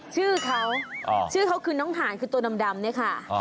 ชื่อเขาชื่อเขาคือน้องหานคือตัวดำเนี่ยค่ะ